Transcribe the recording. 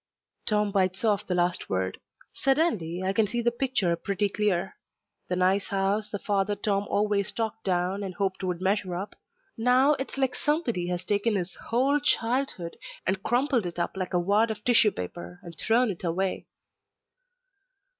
Tom bites off the last word. Suddenly I can see the picture pretty clear: the nice house, the father Tom always talked down and hoped would measure up. Now it's like somebody has taken his whole childhood and crumpled it up like a wad of tissue paper and thrown it away.